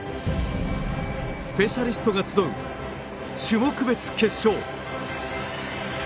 スペシャリストが集う種目別決勝。